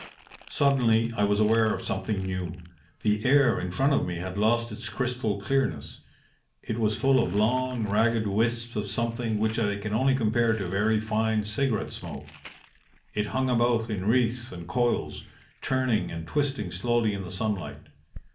"Suddenly I was aware of something new. The air in front of me had lost its crystal clearness. It was full of long, ragged wisps of something which I can only compare to very fine cigarette smoke. It hung about in wreaths and coils, turning and twisting slowly in the sunlight.